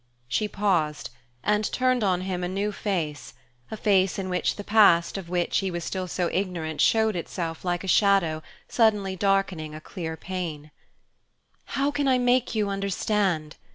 She paused, and turned on him a new face, a face in which the past of which he was still so ignorant showed itself like a shadow suddenly darkening a clear pane. "How can I make you understand?"